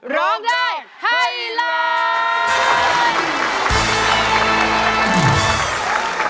ร้องได้ไฮไลน์